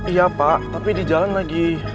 iya pak tapi di jalan lagi